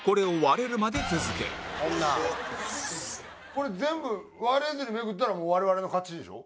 これ全部割れずにめくったら我々の勝ちでしょ？